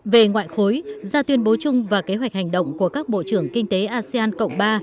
về ngoại khối ra tuyên bố chung và kế hoạch hành động của các bộ trưởng kinh tế asean cộng ba